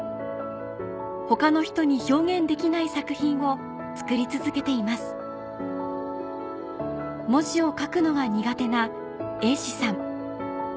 他の人に表現できない作品を作り続けています文字を書くのが苦手な瑛士さん